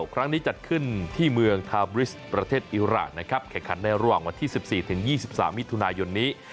ครั้งนี้จัดขึ้นที่เมืองทาบริสประเทศอิราณนะครับแข่งขันในระหว่างวันที่๑๔๒๓มิถุนายนนี้